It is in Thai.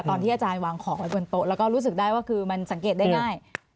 ตอนที่อาจารย์วางของไว้บนโต๊ะแล้วก็รู้สึกได้ว่าคือมันสังเกตได้ง่าย